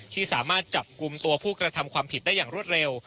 ที่สามารถจับกลุ่มตัวผู้กระทำความผิดได้อย่างรวดเร็ว